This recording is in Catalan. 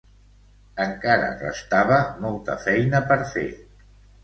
Encara restava molta feina per fer.